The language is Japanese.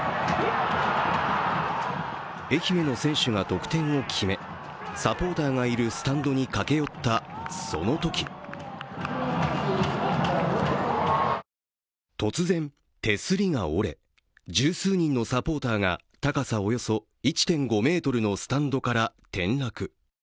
愛媛の選手が得点を決めサポーターがいるスタンドに駆け寄った、そのとき突然、手すりが折れ、十数人のサポーターが高さおよそ１．５ｍのスタンドから転落。